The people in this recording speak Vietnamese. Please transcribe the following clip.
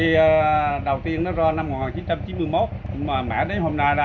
năm đầu tiên nó ra năm một nghìn chín trăm chín mươi một mà mẹ đến hôm nay ra